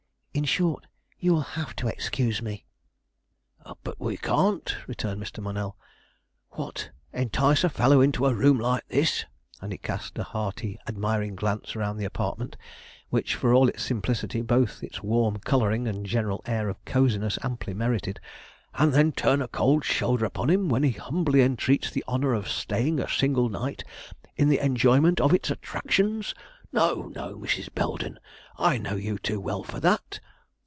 In short, you will have to excuse me." "But we can't," returned Mr. Monell. "What, entice a fellow into a room like this" and he cast a hearty admiring glance round the apartment which, for all its simplicity, both its warm coloring and general air of cosiness amply merited, "and then turn a cold shoulder upon him when he humbly entreats the honor of staying a single night in the enjoyment of its attractions? No, no, Mrs. Belden; I know you too well for that.